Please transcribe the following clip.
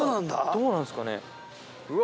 どうなんですかね？